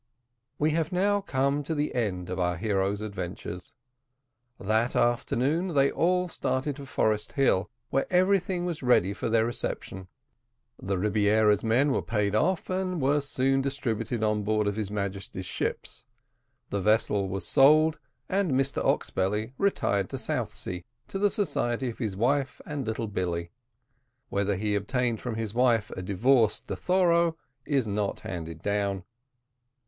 We have now come to the end of our hero's adventures; that afternoon they all started for Forest Hill, where everything was ready for their reception. The Rebiera's men were paid off, and were soon distributed on board of his Majesty's ships; the vessel was sold, and Mr Oxbelly retired to Southsea, to the society of his wife and little Billy. Whether he obtained from his wife a divorce de thoro, is not handed down.